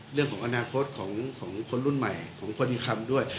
เรื่องของอนาคตของคนรุ่นใหม่ของคนที่ทำด้วย